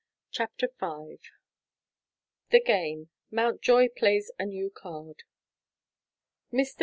CHAPTER V THE GAME: MOUNTJOY PLAYS A NEW CARD MR.